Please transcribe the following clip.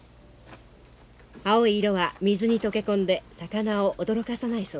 青い色は水に溶け込んで魚を驚かさないそうです。